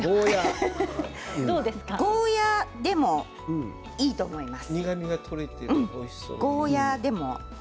ゴーヤーでもいいと思います。